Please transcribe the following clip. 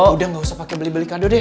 udah gak usah pakai beli beli kado deh